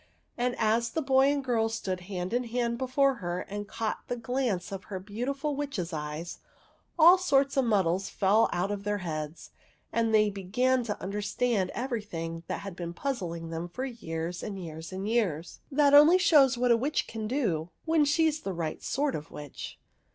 And as the boy and girl stood hand in hand before her and caught the glance of her beautiful witch's eyes, all sorts of muddles fell out of their heads, and they began to under stand everything that had been puzzling them for years and years and years. That only shows what a witch can do when she is the right sort of witch